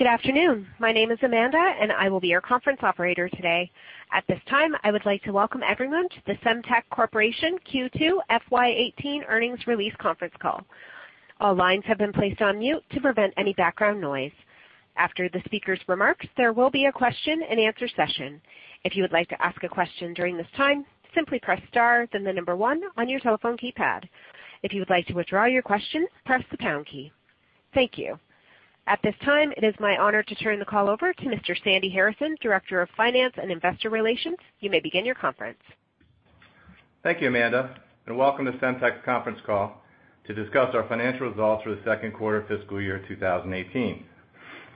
Good afternoon. My name is Amanda, and I will be your conference operator today. At this time, I would like to welcome everyone to the Semtech Corporation Q2 FY 2018 Earnings Release Conference Call. All lines have been placed on mute to prevent any background noise. After the speaker's remarks, there will be a question and answer session. If you would like to ask a question during this time, simply press star then the number one on your telephone keypad. If you would like to withdraw your question, press the pound key. Thank you. At this time, it is my honor to turn the call over to Mr. Sandy Harrison, Director of Finance and Investor Relations. You may begin your conference. Thank you, Amanda, and welcome to Semtech's conference call to discuss our financial results for the second quarter fiscal year 2018.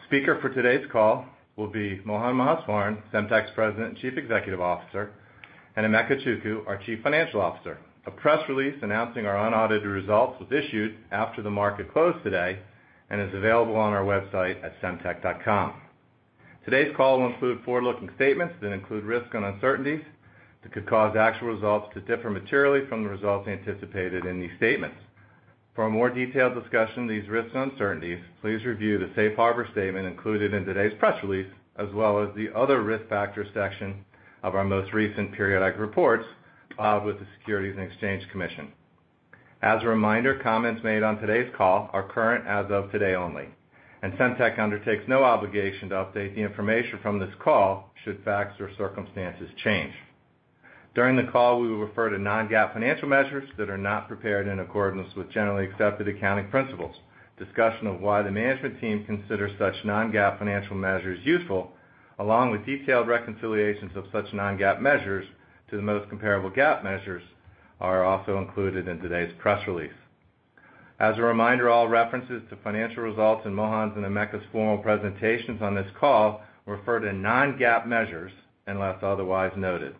Speaker for today's call will be Mohan Maheswaran, Semtech's President and Chief Executive Officer, and Emeka Chukwu, our Chief Financial Officer. A press release announcing our unaudited results was issued after the market closed today and is available on our website at semtech.com. Today's call will include forward-looking statements that include risks and uncertainties that could cause actual results to differ materially from the results anticipated in these statements. For a more detailed discussion of these risks and uncertainties, please review the safe harbor statement included in today's press release, as well as the other risk factors section of our most recent periodic reports filed with the Securities and Exchange Commission. As a reminder, comments made on today's call are current as of today only. Semtech undertakes no obligation to update the information from this call should facts or circumstances change. During the call, we will refer to non-GAAP financial measures that are not prepared in accordance with generally accepted accounting principles. Discussion of why the management team consider such non-GAAP financial measures useful, along with detailed reconciliations of such non-GAAP measures to the most comparable GAAP measures, are also included in today's press release. As a reminder, all references to financial results in Mohan's and Emeka's formal presentations on this call refer to non-GAAP measures unless otherwise noted.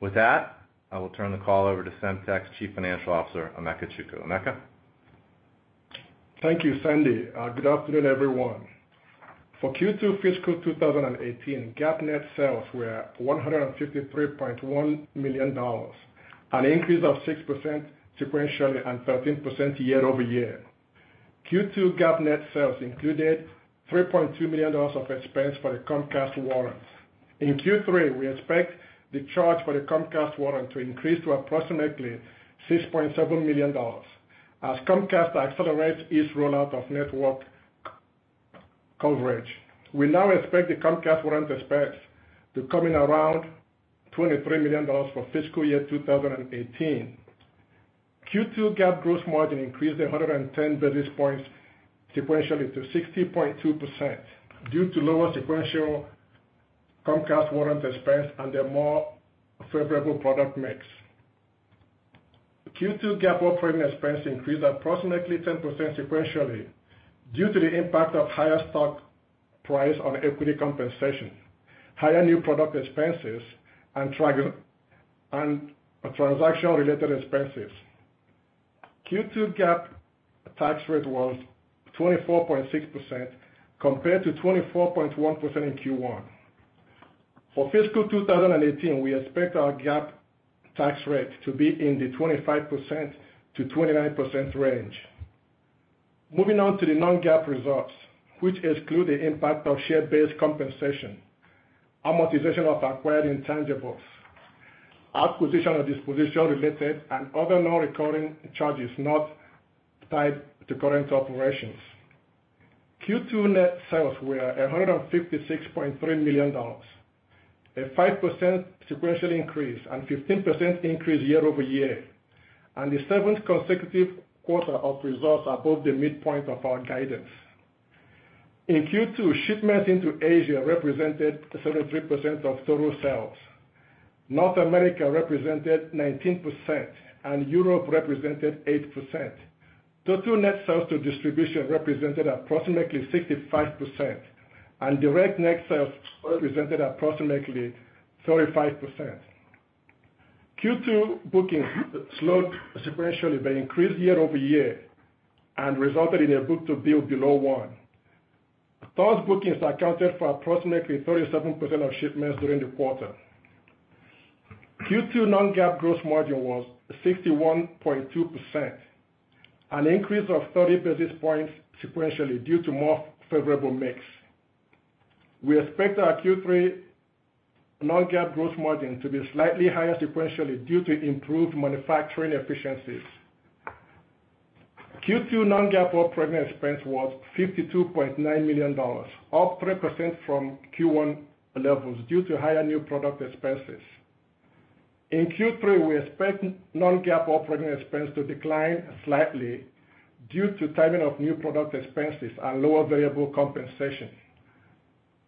With that, I will turn the call over to Semtech's Chief Financial Officer, Emeka Chukwu. Emeka? Thank you, Sandy. Good afternoon, everyone. For Q2 fiscal 2018, GAAP net sales were $153.1 million, an increase of 6% sequentially and 13% year-over-year. Q2 GAAP net sales included $3.2 million of expense for the Comcast warrants. In Q3, we expect the charge for the Comcast warrant to increase to approximately $6.7 million as Comcast accelerates its rollout of network coverage. We now expect the Comcast warrant expense to come in around $23 million for fiscal year 2018. Q2 GAAP gross margin increased 110 basis points sequentially to 60.2% due to lower sequential Comcast warrant expense and a more favorable product mix. Q2 GAAP operating expense increased approximately 10% sequentially due to the impact of higher stock price on equity compensation, higher new product expenses, and transaction-related expenses. Q2 GAAP tax rate was 24.6% compared to 24.1% in Q1. For fiscal 2018, we expect our GAAP tax rate to be in the 25%-29% range. Moving on to the non-GAAP results, which exclude the impact of share-based compensation, amortization of acquired intangibles, acquisition or disposition-related and other non-recurring charges not tied to current operations. Q2 net sales were $156.3 million, a 5% sequential increase and 15% increase year-over-year, and the seventh consecutive quarter of results above the midpoint of our guidance. In Q2, shipments into Asia represented 73% of total sales. North America represented 19%, and Europe represented 8%. Total net sales to distribution represented approximately 65%, and direct net sales represented approximately 35%. Q2 bookings slowed sequentially but increased year-over-year and resulted in a book-to-bill below one. Those bookings accounted for approximately 37% of shipments during the quarter. Q2 non-GAAP gross margin was 61.2%, an increase of 30 basis points sequentially due to more favorable mix. We expect our Q3 non-GAAP gross margin to be slightly higher sequentially due to improved manufacturing efficiencies. Q2 non-GAAP operating expense was $52.9 million, up 3% from Q1 levels due to higher new product expenses. In Q3, we expect non-GAAP operating expense to decline slightly due to timing of new product expenses and lower variable compensation.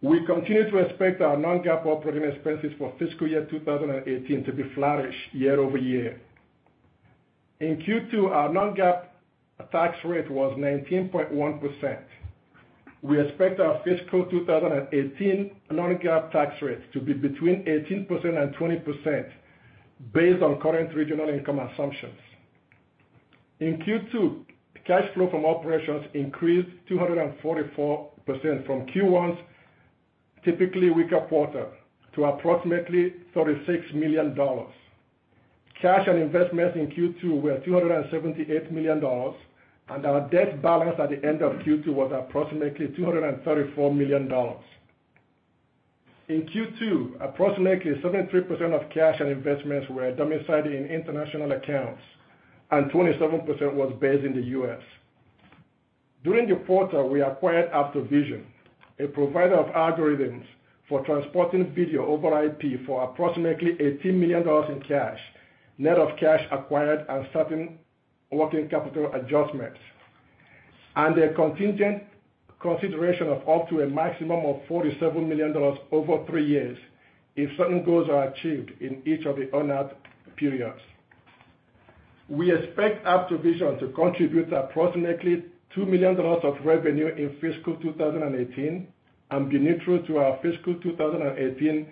We continue to expect our non-GAAP operating expenses for fiscal year 2018 to be flattish year-over-year. In Q2, our non-GAAP tax rate was 19.1%. We expect our fiscal 2018 non-GAAP tax rate to be between 18% and 20% based on current regional income assumptions. In Q2, cash flow from operations increased 244% from Q1's typically weaker quarter to approximately $36 million. Cash and investments in Q2 were $278 million, and our debt balance at the end of Q2 was approximately $234 million. In Q2, approximately 73% of cash and investments were domiciled in international accounts, and 27% was based in the U.S. During the quarter, we acquired AptoVision, a provider of algorithms for transporting video over IP for approximately $18 million in cash, net of cash acquired and certain working capital adjustments. A contingent consideration of up to a maximum of $47 million over three years if certain goals are achieved in each of the earn-out periods. We expect AptoVision to contribute approximately $2 million of revenue in fiscal 2018 and be neutral to our fiscal 2018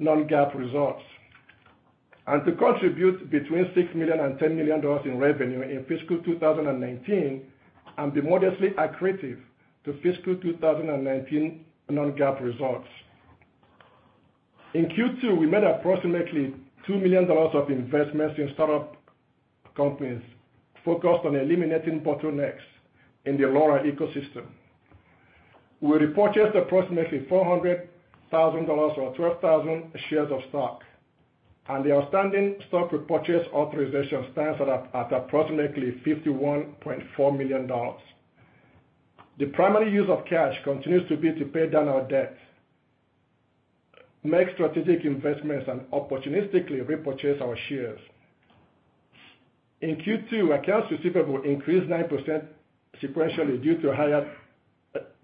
non-GAAP results. To contribute between $6 million and $10 million in revenue in fiscal 2019 and be modestly accretive to fiscal 2019 non-GAAP results. In Q2, we made approximately $2 million of investments in startup companies focused on eliminating bottlenecks in the LoRa ecosystem. We repurchased approximately $400,000 or 12,000 shares of stock, and the outstanding stock repurchase authorization stands at approximately $51.4 million. The primary use of cash continues to be to pay down our debt, make strategic investments, and opportunistically repurchase our shares. In Q2, accounts receivable increased 9% sequentially due to higher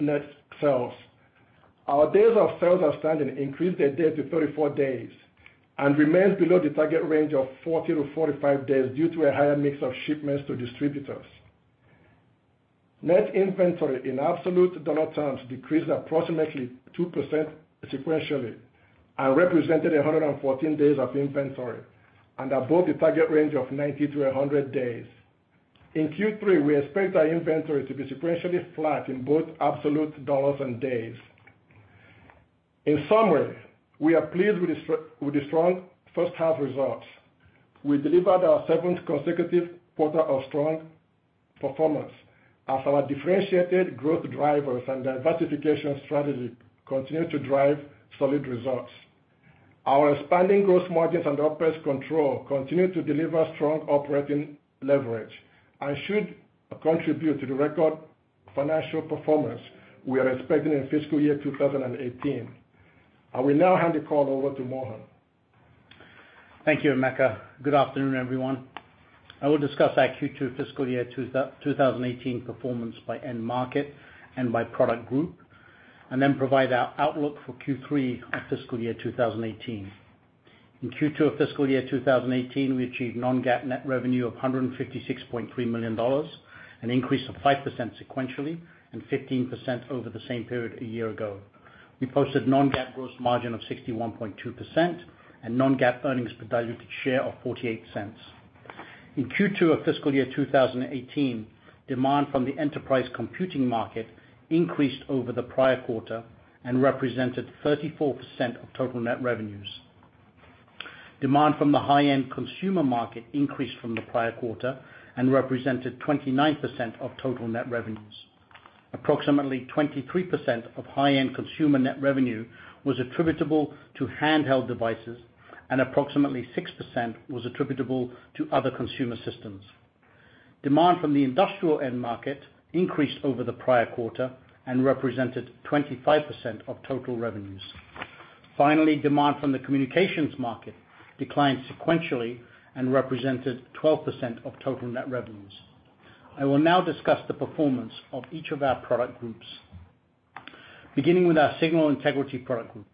net sales. Our days of sales outstanding increased a day to 34 days and remains below the target range of 40-45 days due to a higher mix of shipments to distributors. Net inventory in absolute dollar terms decreased approximately 2% sequentially and represented 114 days of inventory and above the target range of 90-100 days. In Q3, we expect our inventory to be sequentially flat in both absolute dollars and days. In summary, we are pleased with the strong first half results. We delivered our seventh consecutive quarter of strong performance as our differentiated growth drivers and the diversification strategy continue to drive solid results. Our expanding gross margins and the OpEx control continue to deliver strong operating leverage and should contribute to the record financial performance we are expecting in fiscal year 2018. I will now hand the call over to Mohan. Thank you, Emeka. Good afternoon, everyone. I will discuss our Q2 fiscal year 2018 performance by end market and by product group, then provide our outlook for Q3 of fiscal year 2018. In Q2 of fiscal year 2018, we achieved non-GAAP net revenue of $156.3 million, an increase of 5% sequentially and 15% over the same period a year ago. We posted non-GAAP gross margin of 61.2% and non-GAAP earnings per diluted share of $0.48. In Q2 of fiscal year 2018, demand from the enterprise computing market increased over the prior quarter and represented 34% of total net revenues. Demand from the high-end consumer market increased from the prior quarter and represented 29% of total net revenues. Approximately 23% of high-end consumer net revenue was attributable to handheld devices, and approximately 6% was attributable to other consumer systems. Demand from the industrial end market increased over the prior quarter and represented 25% of total revenues. Finally, demand from the communications market declined sequentially and represented 12% of total net revenues. I will now discuss the performance of each of our product groups. Beginning with our signal integrity product group.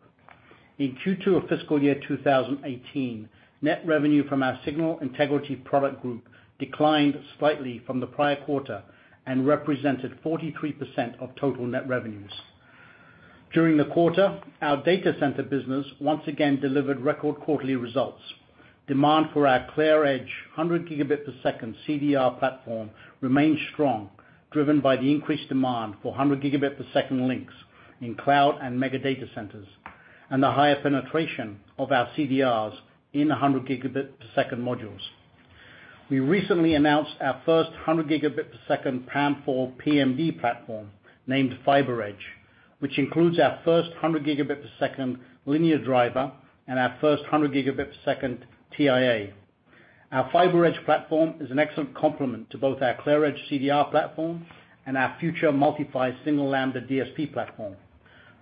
In Q2 of fiscal year 2018, net revenue from our signal integrity product group declined slightly from the prior quarter and represented 43% of total net revenues. During the quarter, our data center business once again delivered record quarterly results. Demand for our ClearEdge 100 gigabit per second CDR platform remained strong, driven by the increased demand for 100 gigabit per second links in cloud and mega data centers, and the higher penetration of our CDRs in 100 gigabit per second modules. We recently announced our first 100 gigabit per second PAM4 PMD platform, named FiberEdge, which includes our first 100 gigabit per second linear driver and our first 100 gigabit per second TIA. Our FiberEdge platform is an excellent complement to both our ClearEdge CDR platform and our future MultiPhy single lambda DSP platform.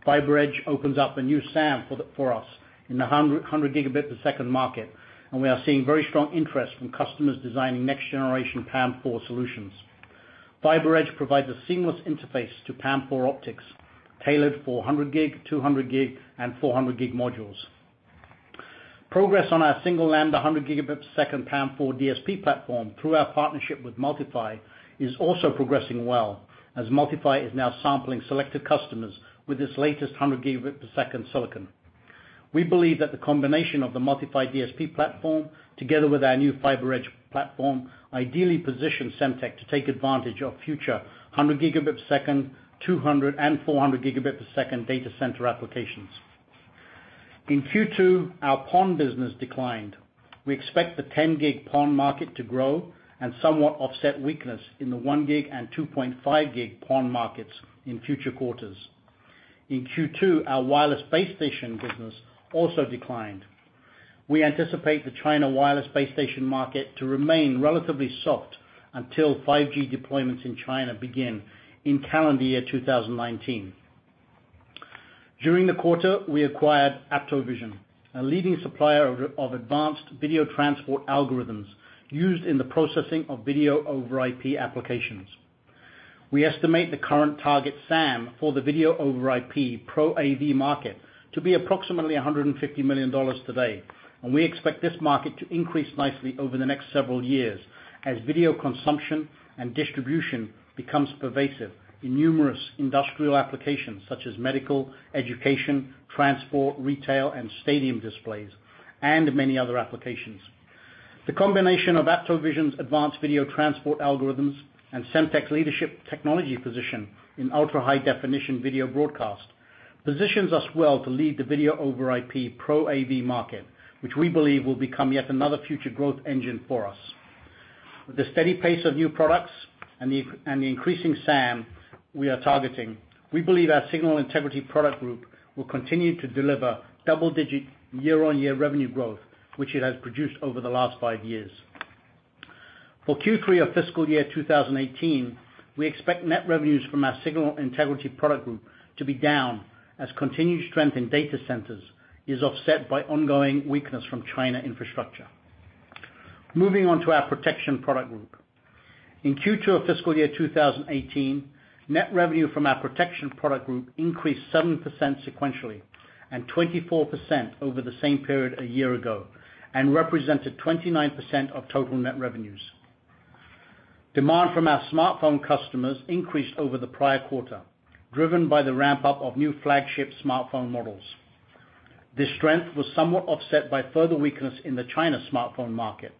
FiberEdge opens up a new SAM for us in the 100 gigabit per second market, we are seeing very strong interest from customers designing next generation PAM4 solutions. FiberEdge provides a seamless interface to PAM4 optics tailored for 100G, 200G, and 400G modules. Progress on our single lambda 100 gigabit per second PAM4 DSP platform through our partnership with MultiPhy is also progressing well, as MultiPhy is now sampling selected customers with its latest 100 gigabit per second silicon. We believe that the combination of the MultiPhy DSP platform together with our new FiberEdge platform ideally positions Semtech to take advantage of future 100 gigabit per second, 200 and 400 gigabit per second data center applications. In Q2, our PON business declined. We expect the 10G PON market to grow and somewhat offset weakness in the 1G and 2.5G PON markets in future quarters. In Q2, our wireless base station business also declined. We anticipate the China wireless base station market to remain relatively soft until 5G deployments in China begin in calendar year 2019. During the quarter, we acquired AptoVision, a leading supplier of advanced Video over IP algorithms used in the processing of Video over IP applications. We estimate the current target SAM for the Video over IP Pro AV market to be approximately $150 million today, and we expect this market to increase nicely over the next several years as video consumption and distribution becomes pervasive in numerous industrial applications such as medical, education, transport, retail, and stadium displays, and many other applications. The combination of AptoVision's advanced video transport algorithms and Semtech's leadership technology position in ultra-high definition video broadcast positions us well to lead the Video over IP Pro AV market, which we believe will become yet another future growth engine for us. With the steady pace of new products and the increasing SAM we are targeting, we believe our signal integrity product group will continue to deliver double-digit year-on-year revenue growth, which it has produced over the last five years. For Q3 of fiscal year 2018, we expect net revenues from our signal integrity product group to be down, as continued strength in data centers is offset by ongoing weakness from China infrastructure. Moving on to our protection product group. In Q2 of fiscal year 2018, net revenue from our protection product group increased 7% sequentially and 24% over the same period a year ago and represented 29% of total net revenues. Demand from our smartphone customers increased over the prior quarter, driven by the ramp-up of new flagship smartphone models. This strength was somewhat offset by further weakness in the China smartphone market.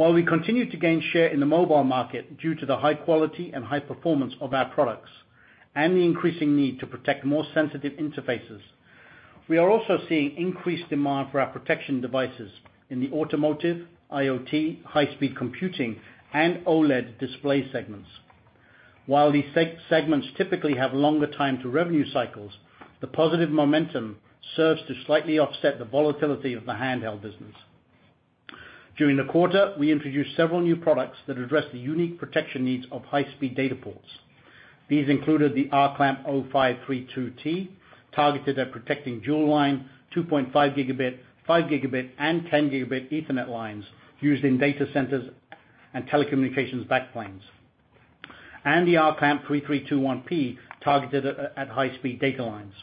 While we continue to gain share in the mobile market due to the high quality and high performance of our products and the increasing need to protect more sensitive interfaces, we are also seeing increased demand for our protection devices in the automotive, IoT, high-speed computing, and OLED display segments. While these segments typically have longer time to revenue cycles, the positive momentum serves to slightly offset the volatility of the handheld business. During the quarter, we introduced several new products that address the unique protection needs of high-speed data ports. These included the RClamp0532T, targeted at protecting dual line 2.5 gigabit, 5 gigabit, and 10 gigabit Ethernet lines used in data centers and telecommunications back planes. The RClamp3321P, targeted at high-speed data lines.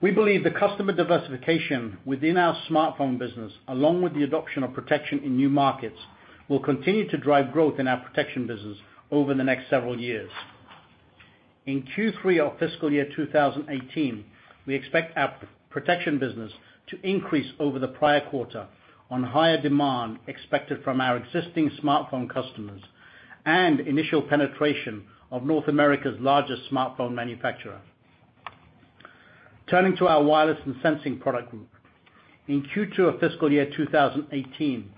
We believe the customer diversification within our smartphone business, along with the adoption of protection in new markets, will continue to drive growth in our protection business over the next several years. In Q3 of fiscal year 2018, we expect our protection business to increase over the prior quarter on higher demand expected from our existing smartphone customers and initial penetration of North America's largest smartphone manufacturer. Turning to our wireless and sensing product group. In Q2 of fiscal year 2018,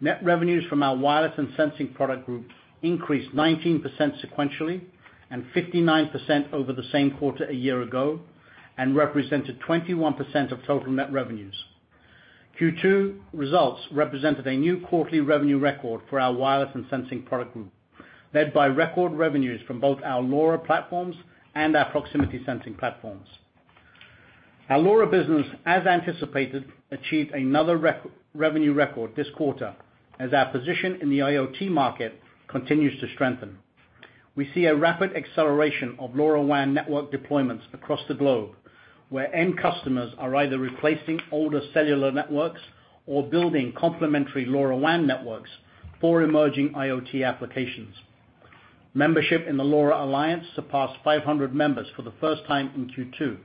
net revenues from our wireless and sensing product group increased 19% sequentially and 59% over the same quarter a year ago and represented 21% of total net revenues. Q2 results represented a new quarterly revenue record for our wireless and sensing product group, led by record revenues from both our LoRa platforms and our proximity sensing platforms. Our LoRa business, as anticipated, achieved another revenue record this quarter as our position in the IoT market continues to strengthen. We see a rapid acceleration of LoRaWAN network deployments across the globe, where end customers are either replacing older cellular networks or building complementary LoRaWAN networks for emerging IoT applications. Membership in the LoRa Alliance surpassed 500 members for the first time in Q2,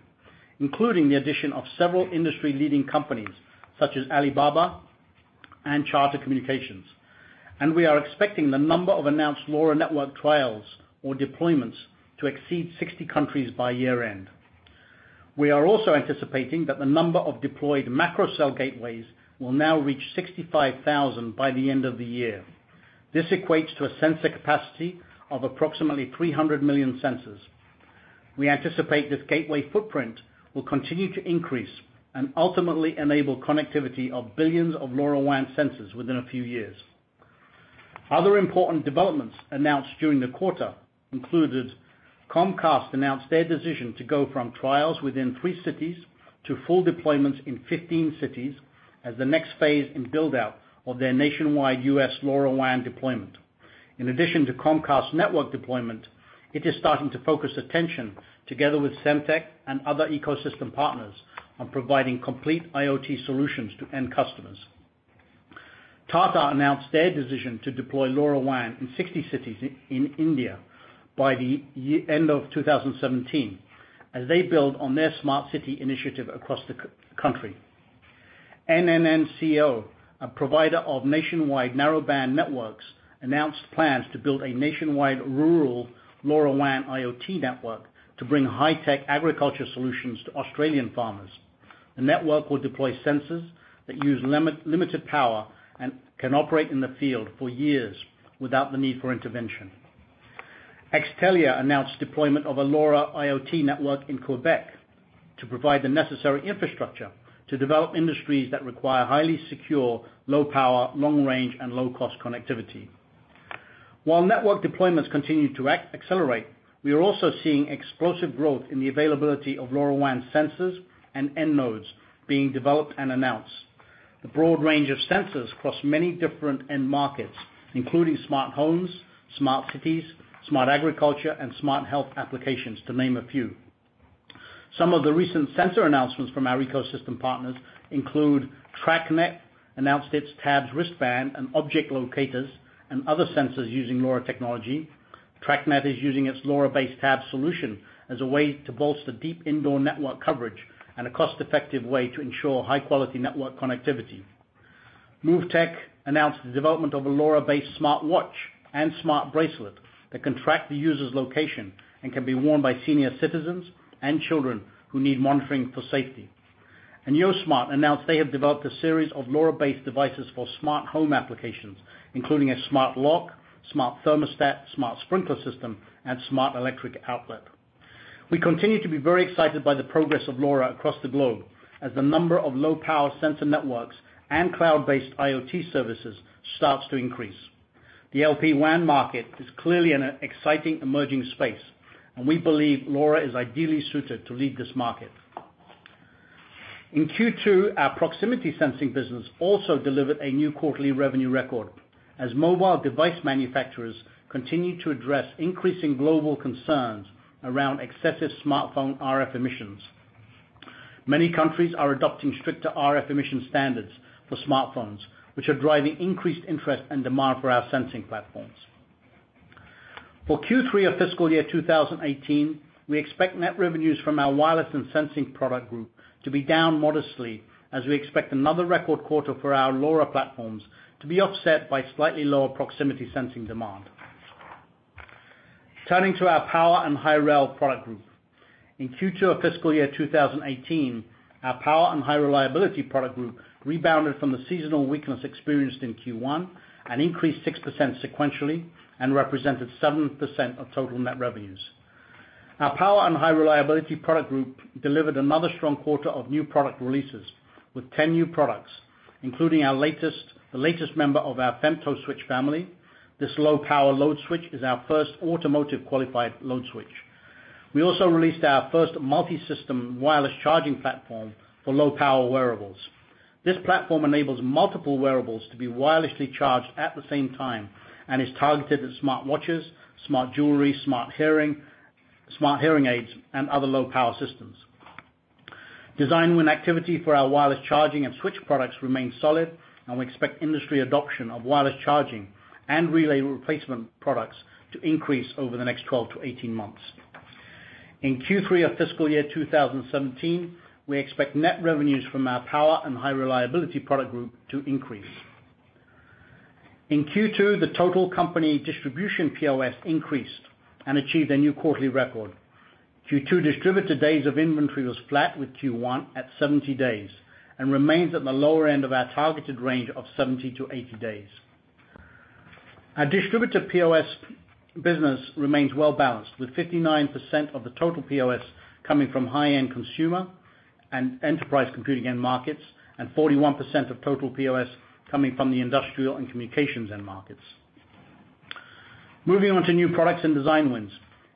including the addition of several industry-leading companies such as Alibaba and Charter Communications. We are expecting the number of announced LoRa network trials or deployments to exceed 60 countries by year-end. We are also anticipating that the number of deployed macro cell gateways will now reach 65,000 by the end of the year. This equates to a sensor capacity of approximately 300 million sensors. We anticipate this gateway footprint will continue to increase and ultimately enable connectivity of billions of LoRaWAN sensors within a few years. Other important developments announced during the quarter included Comcast announced their decision to go from trials within three cities to full deployments in 15 cities as the next phase in build-out of their nationwide U.S. LoRaWAN deployment. In addition to Comcast's network deployment, it is starting to focus attention together with Semtech and other ecosystem partners on providing complete IoT solutions to end customers. Tata announced their decision to deploy LoRaWAN in 60 cities in India by the end of 2017, as they build on their smart city initiative across the country. NNNCo, a provider of nationwide narrowband networks, announced plans to build a nationwide rural LoRaWAN IoT network to bring high-tech agriculture solutions to Australian farmers. The network will deploy sensors that use limited power and can operate in the field for years without the need for intervention. X-TELIA announced deployment of a LoRa IoT network in Quebec to provide the necessary infrastructure to develop industries that require highly secure, low power, long range, and low-cost connectivity. While network deployments continue to accelerate, we are also seeing explosive growth in the availability of LoRaWAN sensors and end nodes being developed and announced. A broad range of sensors across many different end markets, including smart homes, smart cities, smart agriculture, and smart health applications, to name a few. Some of the recent sensor announcements from our ecosystem partners include TrackNet, announced its tabs, wristband, and object locators, and other sensors using LoRa technology. TrackNet is using its LoRa-based tab solution as a way to bolster deep indoor network coverage and a cost-effective way to ensure high-quality network connectivity. MoveTech announced the development of a LoRa-based smartwatch and smart bracelet that can track the user's location and can be worn by senior citizens and children who need monitoring for safety. YoSmart announced they have developed a series of LoRa-based devices for smart home applications, including a smart lock, smart thermostat, smart sprinkler system, and smart electric outlet. We continue to be very excited by the progress of LoRa across the globe as the number of low-power sensor networks and cloud-based IoT services starts to increase. The LPWAN market is clearly an exciting emerging space, and we believe LoRa is ideally suited to lead this market. In Q2, our proximity sensing business also delivered a new quarterly revenue record, as mobile device manufacturers continue to address increasing global concerns around excessive smartphone RF emissions. Many countries are adopting stricter RF emission standards for smartphones, which are driving increased interest and demand for our sensing platforms. For Q3 of fiscal year 2018, we expect net revenues from our wireless and sensing product group to be down modestly as we expect another record quarter for our LoRa platforms to be offset by slightly lower proximity sensing demand. Turning to our power and high-rel product group. In Q2 of fiscal year 2018, our power and high-reliability product group rebounded from the seasonal weakness experienced in Q1 and increased 6% sequentially and represented 7% of total net revenues. Our power and high-reliability product group delivered another strong quarter of new product releases with 10 new products, including the latest member of our FemtoSwitch family. This low-power load switch is our first automotive-qualified load switch. We also released our first multi-system wireless charging platform for low-power wearables. This platform enables multiple wearables to be wirelessly charged at the same time and is targeted at smartwatches, smart jewelry, smart hearing aids, and other low-power systems. Design win activity for our wireless charging and switch products remains solid, and we expect industry adoption of wireless charging and relay replacement products to increase over the next 12 to 18 months. In Q3 of fiscal year 2017, we expect net revenues from our power and high-reliability product group to increase. In Q2, the total company distribution POS increased and achieved a new quarterly record. Q2 distributor days of inventory was flat with Q1 at 70 days and remains at the lower end of our targeted range of 70 to 80 days. Our distributor POS business remains well-balanced, with 59% of the total POS coming from high-end consumer and enterprise computing end markets and 41% of total POS coming from the industrial and communications end markets. Moving on to new products and design wins.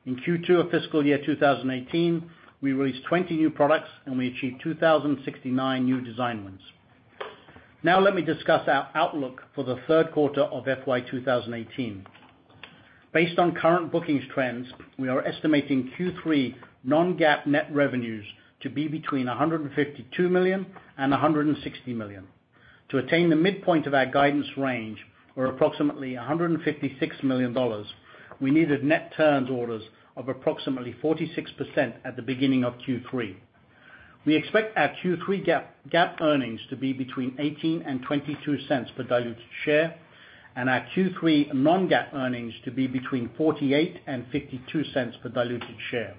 In Q2 of fiscal year 2018, we released 20 new products, and we achieved 2,069 new design wins. Now let me discuss our outlook for the third quarter of FY 2018. Based on current bookings trends, we are estimating Q3 non-GAAP net revenues to be between $152 million and $160 million. To attain the midpoint of our guidance range or approximately $156 million, we needed net turns orders of approximately 46% at the beginning of Q3. We expect our Q3 GAAP earnings to be between $0.18 and $0.22 per diluted share, and our Q3 non-GAAP earnings to be between $0.48 and $0.52 per diluted share.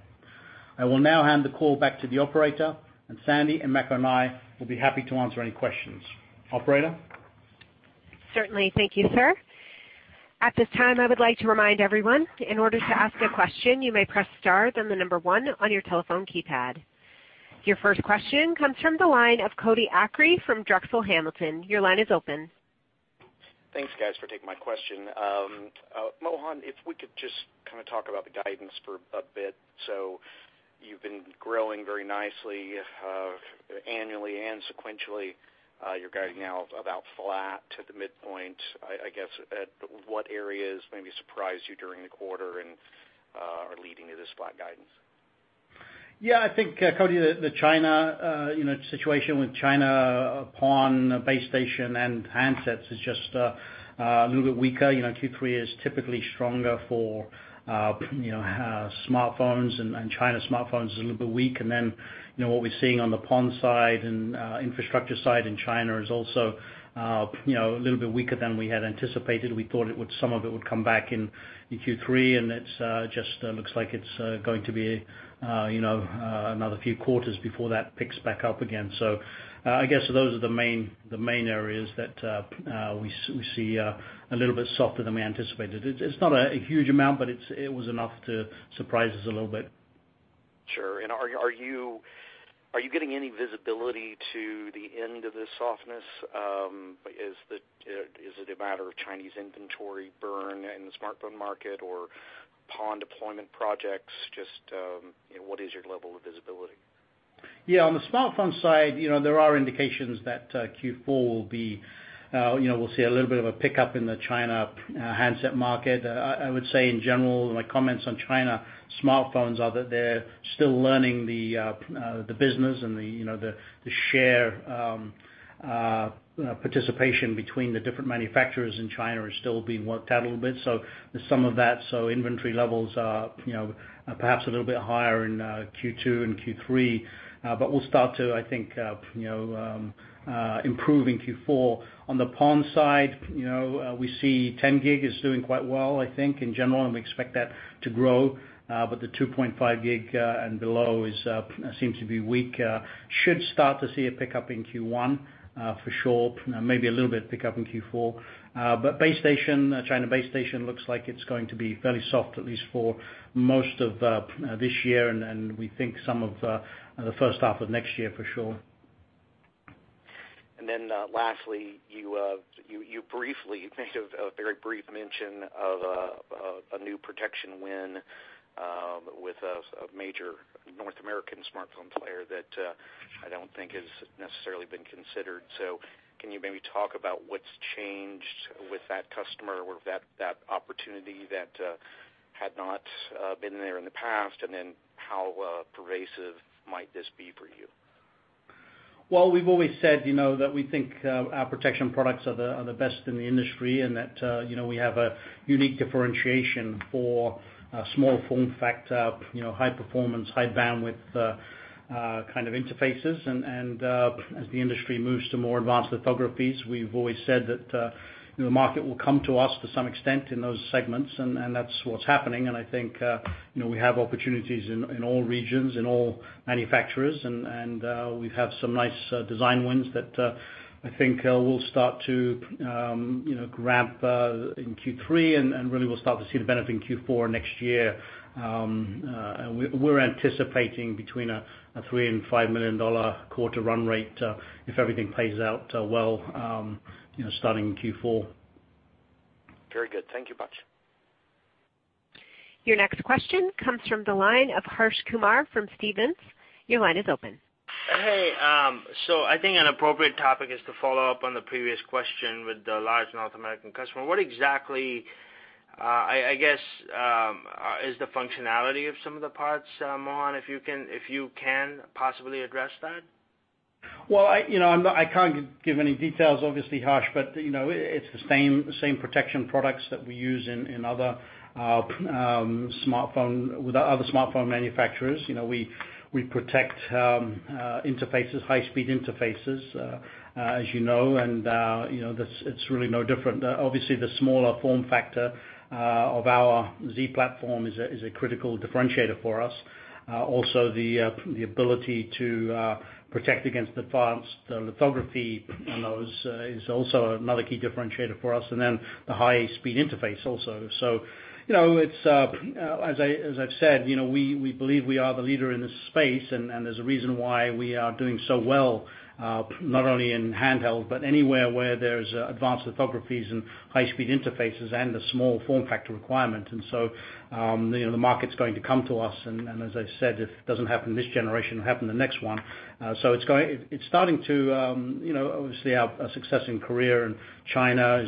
I will now hand the call back to the operator, and Sandy and Emeka and I will be happy to answer any questions. Operator? Certainly. Thank you, sir. At this time, I would like to remind everyone that in order to ask a question, you may press star then one on your telephone keypad. Your first question comes from the line of Cody Acree from Drexel Hamilton. Your line is open. Thanks, guys, for taking my question. Mohan, if we could just talk about the guidance for a bit. You've been growing very nicely annually and sequentially. You're guiding now about flat to the midpoint. I guess, what areas maybe surprised you during the quarter and are leading to this flat guidance? I think, Cody, the situation with China PON base station and handsets is just a little bit weaker. Q3 is typically stronger for smartphones, and China smartphones is a little bit weak. What we're seeing on the PON side and infrastructure side in China is also a little bit weaker than we had anticipated. We thought some of it would come back in Q3, and it just looks like it's going to be another few quarters before that picks back up again. I guess those are the main areas that we see a little bit softer than we anticipated. It's not a huge amount, but it was enough to surprise us a little bit. Sure. Are you getting any visibility to the end of this softness? Is it a matter of Chinese inventory burn in the smartphone market or PON deployment projects? What is your level of visibility? On the smartphone side, there are indications that Q4, we'll see a little bit of a pickup in the China handset market. I would say, in general, my comments on China smartphones are that they're still learning the business and the share participation between the different manufacturers in China are still being worked out a little bit. There's some of that, so inventory levels are perhaps a little bit higher in Q2 and Q3. We'll start to, I think, improve in Q4. On the PON side, we see 10G is doing quite well, I think, in general, and we expect that to grow. The 2.5G and below seems to be weak. Should start to see a pickup in Q1 for sure, maybe a little bit of pickup in Q4. China base station looks like it's going to be fairly soft, at least for most of this year, and we think some of the first half of next year for sure. Lastly, you made a very brief mention of a new protection win with a major North American smartphone player that I don't think has necessarily been considered. Can you maybe talk about what's changed with that customer or that opportunity that had not been there in the past? How pervasive might this be for you? Well, we've always said that we think our protection products are the best in the industry, that we have a unique differentiation for small form factor, high performance, high bandwidth kind of interfaces. As the industry moves to more advanced lithographies, we've always said that the market will come to us to some extent in those segments, that's what's happening. I think we have opportunities in all regions, in all manufacturers, and we have some nice design wins that I think will start to ramp in Q3 and really we'll start to see the benefit in Q4 next year. We're anticipating between a $3 million and $5 million quarter run rate, if everything plays out well, starting in Q4. Very good. Thank you much. Your next question comes from the line of Harsh Kumar from Stephens. Your line is open. Hey. I think an appropriate topic is to follow up on the previous question with the large North American customer. What exactly, I guess, is the functionality of some of the parts, Mohan, if you can possibly address that? I can't give any details, obviously, Harsh, but it's the same protection products that we use with our other smartphone manufacturers. We protect high-speed interfaces, as you know, and it's really no different. Obviously, the smaller form factor of our Z-Platform is a critical differentiator for us. The ability to protect against advanced lithography on those is also another key differentiator for us. The high-speed interface also. As I've said, we believe we are the leader in this space, and there's a reason why we are doing so well, not only in handheld, but anywhere where there's advanced lithographies and high-speed interfaces and a small form factor requirement. The market's going to come to us, and as I said, if it doesn't happen this generation, it'll happen the next one. Obviously, our success in Korea and China,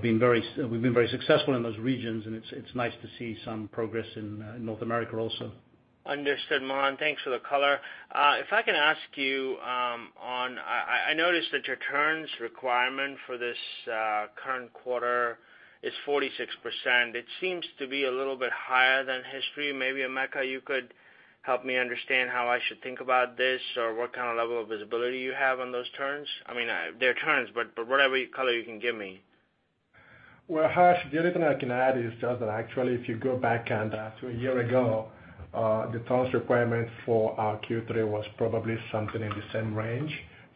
we've been very successful in those regions, and it's nice to see some progress in North America also. Understood, Mohan. Thanks for the color. I can ask you, I noticed that your turns requirement for this current quarter is 46%. It seems to be a little bit higher than history. Emeka, you could help me understand how I should think about this, or what kind of level of visibility you have on those turns. I mean, they're turns, but whatever color you can give me. Harsh, the only thing I can add is just that actually if you go back to a year ago, the turns requirement for our Q3 was probably something in the same range.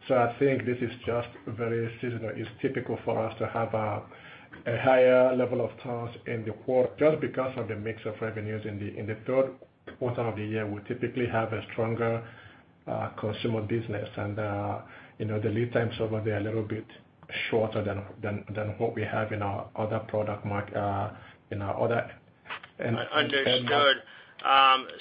I think this is just very seasonal. It's typical for us to have a higher level of turns in the quarter, just because of the mix of revenues. In the third quarter of the year, we typically have a stronger consumer business. The lead times over there are a little bit shorter than what we have in our other product. Understood.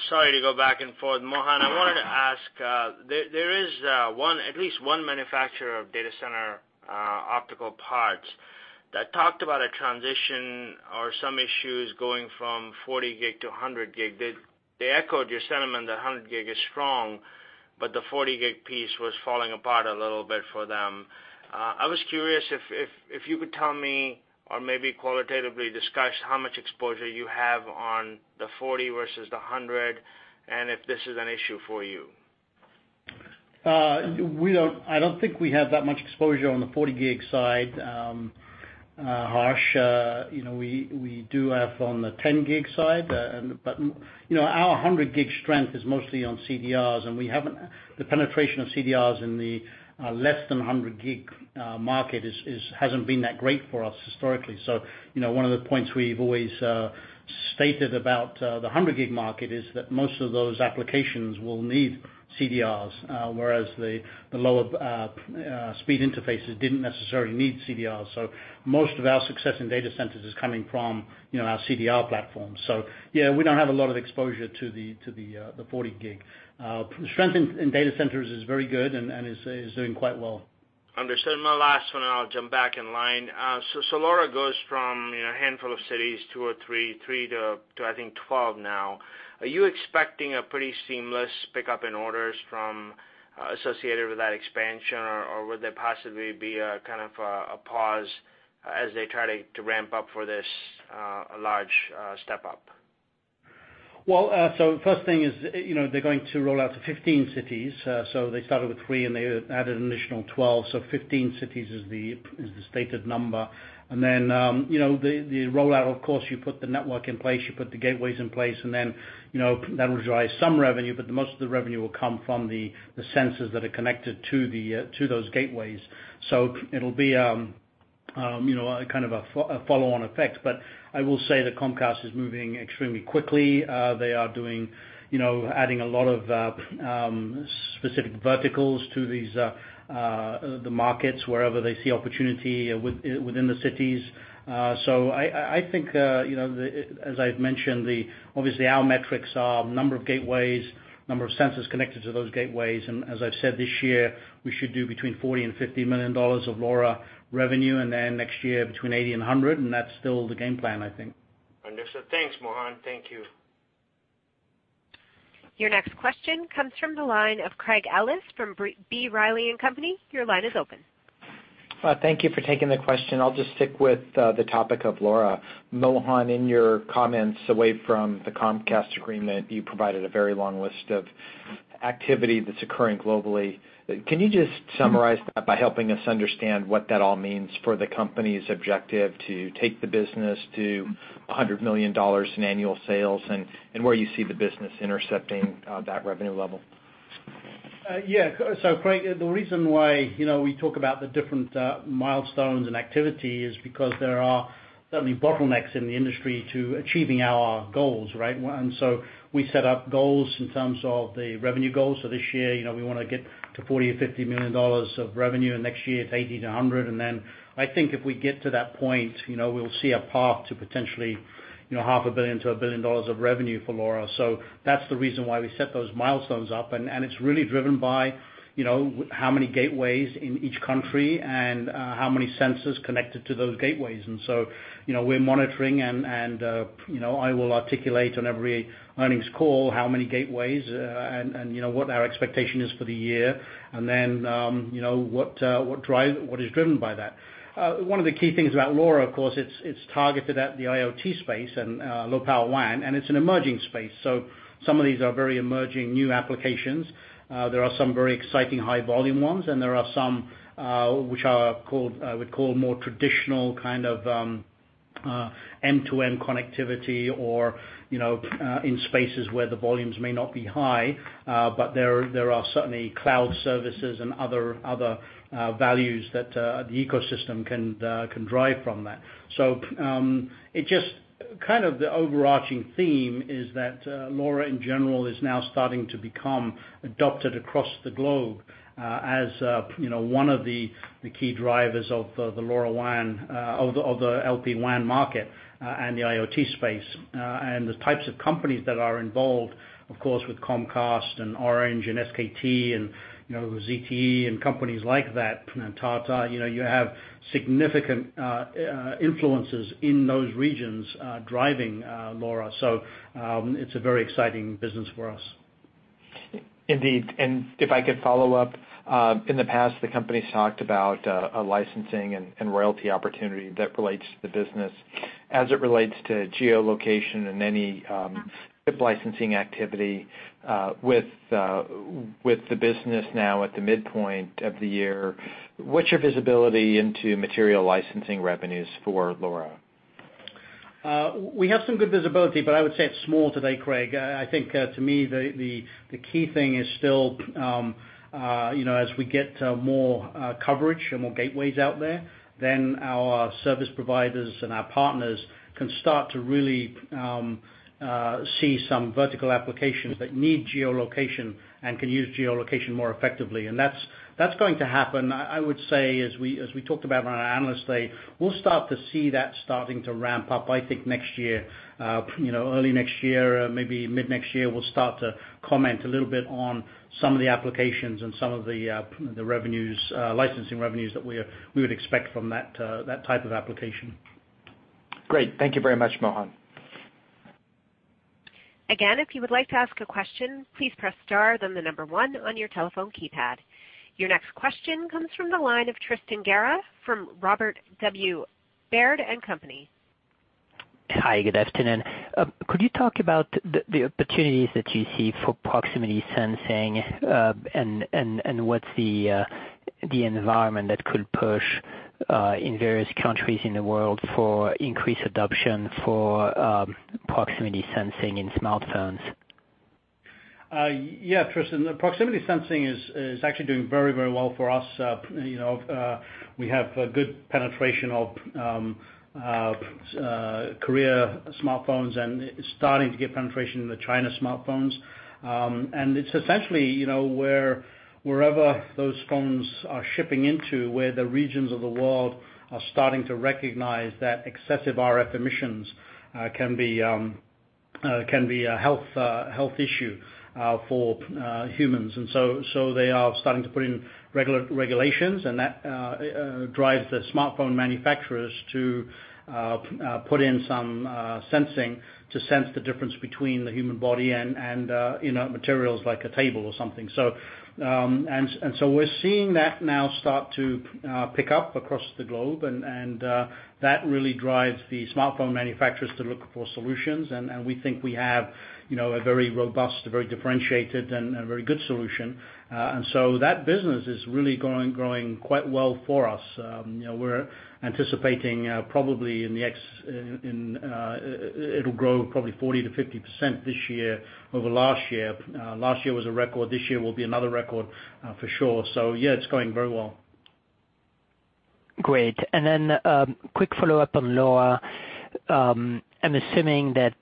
Sorry to go back and forth. Mohan, I wanted to ask, there is at least one manufacturer of data center optical parts that talked about a transition or some issues going from 40G to 100G. They echoed your sentiment that 100G is strong, but the 40G piece was falling apart a little bit for them. I was curious if you could tell me or maybe qualitatively discuss how much exposure you have on the 40 versus the 100, and if this is an issue for you. I don't think we have that much exposure on the 40G side, Harsh. We do have on the 10G side. Our 100G strength is mostly on CDRs, and the penetration of CDRs in the less than 100G market hasn't been that great for us historically. One of the points we've always stated about the 100G market is that most of those applications will need CDRs, whereas the lower speed interfaces didn't necessarily need CDRs. Most of our success in data centers is coming from our CDR platform. Yeah, we don't have a lot of exposure to the 40G. Strength in data centers is very good and is doing quite well. Understood. My last one, and I'll jump back in line. LoRa goes from a handful of cities, two or three to I think 12 now. Are you expecting a pretty seamless pickup in orders associated with that expansion, or would there possibly be a kind of a pause as they try to ramp up for this large step up? First thing is they're going to roll out to 15 cities. They started with three, and they added an additional 12, 15 cities is the stated number. The rollout, of course, you put the network in place, you put the gateways in place, and then that will drive some revenue, but the most of the revenue will come from the sensors that are connected to those gateways. It'll be kind of a follow-on effect. I will say that Comcast is moving extremely quickly. They are adding a lot of specific verticals to the markets wherever they see opportunity within the cities. I think, as I've mentioned, obviously, our metrics are number of gateways, number of sensors connected to those gateways, and as I've said, this year, we should do between $40 million and $50 million of LoRa revenue, and then next year between $80 million and $100 million, and that's still the game plan, I think. Understood. Thanks, Mohan. Thank you. Your next question comes from the line of Craig Ellis from B. Riley & Co.. Your line is open. Thank you for taking the question. I'll just stick with the topic of LoRa. Mohan, in your comments away from the Comcast agreement, you provided a very long list of activity that's occurring globally. Can you just summarize that by helping us understand what that all means for the company's objective to take the business to $100 million in annual sales and where you see the business intersecting that revenue level? Yeah. Craig, the reason why we talk about the different milestones and activity is because there are certainly bottlenecks in the industry to achieving our goals, right? We set up goals in terms of the revenue goals. This year, we want to get to $40 million or $50 million of revenue, and next year it's $80 million-$100 million. I think if we get to that point, we'll see a path to potentially $0.5 billion-$1 billion of revenue for LoRa. That's the reason why we set those milestones up, and it's really driven by how many gateways in each country and how many sensors connected to those gateways. We're monitoring and I will articulate on every earnings call how many gateways and what our expectation is for the year, and then what is driven by that. One of the key things about LoRa, of course, it's targeted at the IoT space and LPWAN, and it's an emerging space. Some of these are very emerging new applications. There are some very exciting high volume ones, and there are some which I would call more traditional kind of end-to-end connectivity or in spaces where the volumes may not be high. There are certainly cloud services and other values that the ecosystem can drive from that. The overarching theme is that LoRa in general is now starting to become adopted across the globe as one of the key drivers of the LPWAN market and the IoT space. The types of companies that are involved, of course, with Comcast and Orange and SKT and ZTE and companies like that, and Tata, you have significant influences in those regions driving LoRa. It's a very exciting business for us. Indeed. If I could follow up. In the past, the company's talked about a licensing and royalty opportunity that relates to the business as it relates to geolocation and any licensing activity. With the business now at the midpoint of the year, what's your visibility into material licensing revenues for LoRa? We have some good visibility, but I would say it's small today, Craig. I think to me, the key thing is still as we get more coverage and more gateways out there, then our service providers and our partners can start to really see some vertical applications that need geolocation and can use geolocation more effectively. That's going to happen, I would say, as we talked about on our Analyst Day, we'll start to see that starting to ramp up, I think next year. Early next year, maybe mid next year, we'll start to comment a little bit on some of the applications and some of the licensing revenues that we would expect from that type of application. Great. Thank you very much, Mohan. Again, if you would like to ask a question, please press star, then the number one on your telephone keypad. Your next question comes from the line of Tristan Gerra from Robert W. Baird & Co.. Hi. Good afternoon. Could you talk about the opportunities that you see for proximity sensing and what's the environment that could push in various countries in the world for increased adoption for proximity sensing in smartphones? Yeah. Tristan, proximity sensing is actually doing very well for us. We have a good penetration of Korea smartphones, and it's starting to get penetration in the China smartphones. It's essentially, wherever those phones are shipping into, where the regions of the world are starting to recognize that excessive RF emissions can be a health issue for humans. So they are starting to put in regulations, and that drives the smartphone manufacturers to put in some sensing to sense the difference between the human body and materials like a table or something. So we're seeing that now start to pick up across the globe, and that really drives the smartphone manufacturers to look for solutions. We think we have a very robust, a very differentiated, and a very good solution. So that business is really growing quite well for us. We're anticipating it'll grow probably 40%-50% this year over last year. Last year was a record. This year will be another record for sure. Yeah, it's going very well. Great. Then, quick follow-up on LoRa. I'm assuming that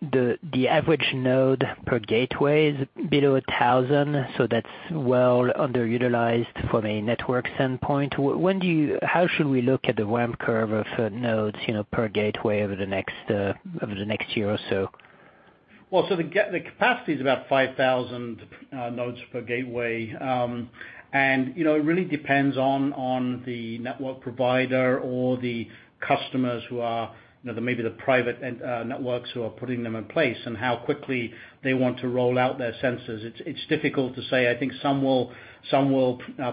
the average node per gateway is below 1,000, that's well underutilized from a network standpoint. How should we look at the ramp curve of nodes per gateway over the next year or so? Well, the capacity is about 5,000 nodes per gateway. It really depends on the network provider or the customers who are maybe the private networks who are putting them in place and how quickly they want to roll out their sensors. It's difficult to say. I think some will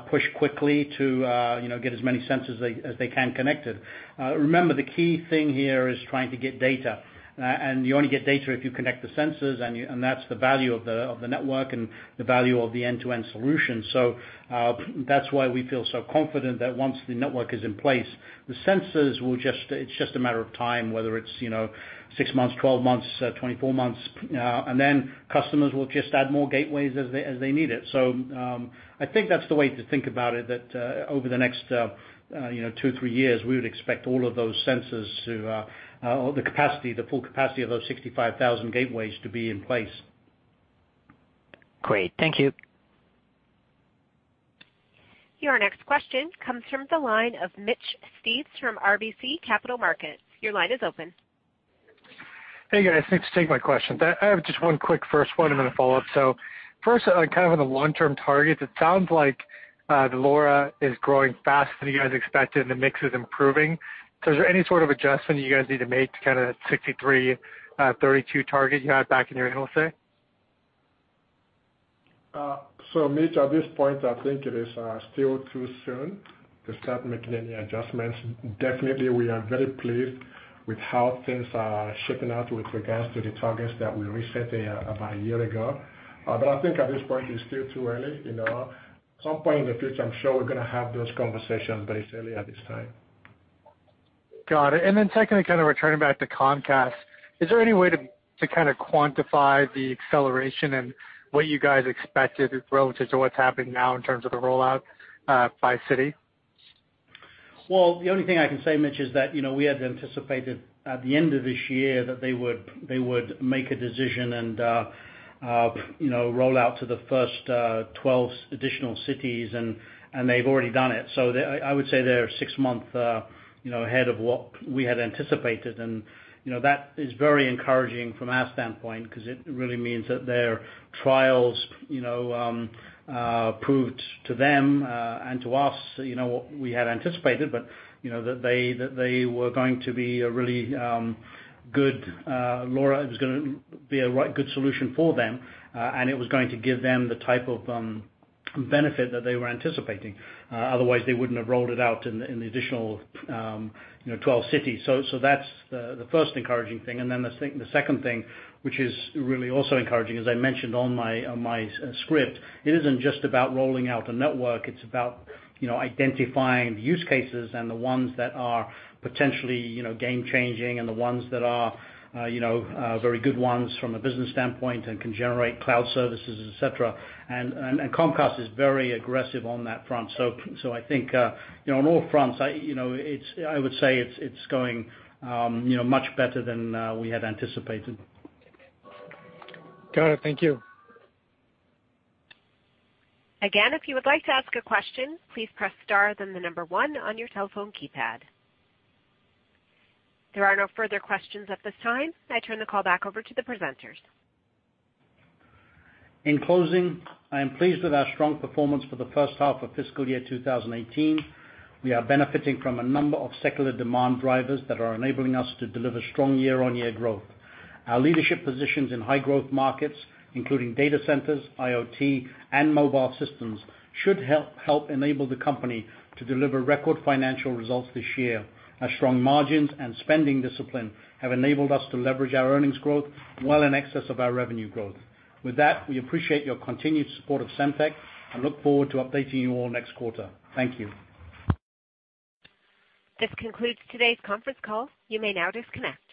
push quickly to get as many sensors as they can connected. Remember, the key thing here is trying to get data, and you only get data if you connect the sensors, and that's the value of the network and the value of the end-to-end solution. That's why we feel so confident that once the network is in place, the sensors, it's just a matter of time, whether it's six months, 12 months, 24 months. Then customers will just add more gateways as they need it. I think that's the way to think about it that over the next two, three years, we would expect all of those sensors to, or the full capacity of those 65,000 gateways to be in place. Great. Thank you. Your next question comes from the line of Mitch Steves from RBC Capital Markets. Your line is open. Hey, guys. Thanks for taking my question. I have just one quick first one, and then a follow-up. First, on kind of the long-term targets, it sounds like the LoRa is growing faster than you guys expected and the mix is improving. Is there any sort of adjustment you guys need to make to kind of that 63/32 target you had back in your analyst day? Mitch, at this point, I think it is still too soon to start making any adjustments. Definitely, we are very pleased with how things are shaping out with regards to the targets that we reset about a year ago. I think at this point it's still too early. At some point in the future, I'm sure we're going to have those conversations. It's early at this time. Got it. Secondly, kind of returning back to Comcast, is there any way to kind of quantify the acceleration and what you guys expected relative to what's happening now in terms of the rollout by city? Well, the only thing I can say, Mitch, is that we had anticipated at the end of this year that they would make a decision and roll out to the first 12 additional cities, they've already done it. I would say they're six months ahead of what we had anticipated. That is very encouraging from our standpoint because it really means that their trials proved to them, and to us what we had anticipated, but that they were going to be a really good LoRa. It was going to be a right good solution for them. It was going to give them the type of benefit that they were anticipating. Otherwise, they wouldn't have rolled it out in the additional 12 cities. That's the first encouraging thing. The second thing, which is really also encouraging, as I mentioned on my script, it isn't just about rolling out a network, it's about identifying the use cases and the ones that are potentially game changing and the ones that are very good ones from a business standpoint and can generate cloud services, et cetera. Comcast is very aggressive on that front. I think, on all fronts, I would say it's going much better than we had anticipated. Got it. Thank you. Again, if you would like to ask a question, please press star, then the number 1 on your telephone keypad. There are no further questions at this time. I turn the call back over to the presenters. In closing, I am pleased with our strong performance for the first half of fiscal year 2018. We are benefiting from a number of secular demand drivers that are enabling us to deliver strong year-over-year growth. Our leadership positions in high growth markets, including data centers, IoT, and mobile systems, should help enable the company to deliver record financial results this year, as strong margins and spending discipline have enabled us to leverage our earnings growth well in excess of our revenue growth. With that, we appreciate your continued support of Semtech and look forward to updating you all next quarter. Thank you. This concludes today's conference call. You may now disconnect.